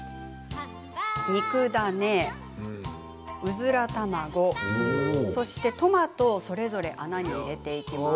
肉ダネ、うずら卵、そしてトマトをそれぞれ穴に入れます。